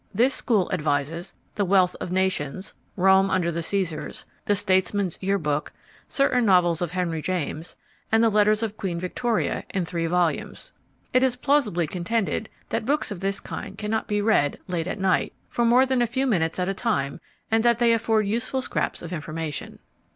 This school advises The Wealth of Nations, Rome under the Caesars, The Statesman's Year Book, certain novels of Henry James, and The Letters of Queen Victoria (in three volumes). It is plausibly contended that books of this kind cannot be read (late at night) for more than a few minutes at a time, and that they afford useful scraps of information.